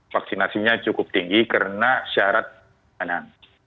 vaksinasinya cukup tinggi karena syarat perjalanan